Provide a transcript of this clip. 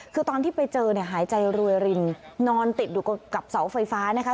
คือตอนที่ไปเจอเนี่ยหายใจรวยรินนอนติดอยู่กับเสาไฟฟ้านะคะ